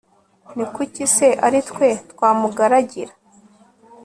ni kuki se ari twe twamugaragira